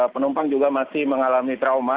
penumpang juga masih mengalami trauma